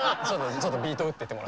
ちょっとビート打っててもらって。